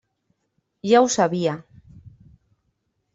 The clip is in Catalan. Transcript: Ja ho sabia.